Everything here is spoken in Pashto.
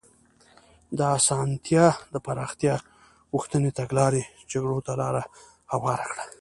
د اسانتي د پراختیا غوښتنې تګلارې جګړو ته لار هواره کړه.